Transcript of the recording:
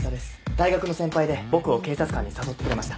大学の先輩で僕を警察官に誘ってくれました。